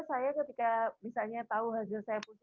saya ketika misalnya tahu hasil saya pusing